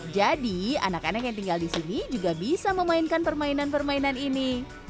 jadi anak anak yang tinggal di sini juga bisa memainkan permainan permainan ini